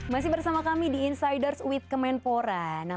masih bersama kami di insiders with kementerian orang